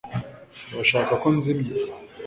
Urashaka ko nzimya